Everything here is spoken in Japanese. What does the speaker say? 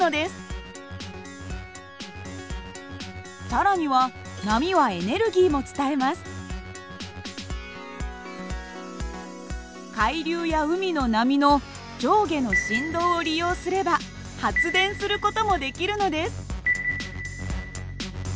更には海流や海の波の上下の振動を利用すれば発電する事もできるのです。